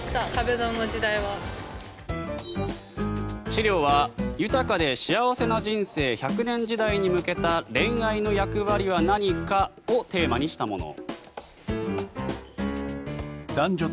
資料は、豊かな幸せな人生１００年時代に向けた恋愛の役割は何かをテーマにしたもの。